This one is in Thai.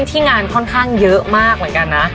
ที่งานค่อนข้างเยอะมากเหมือนกันนะ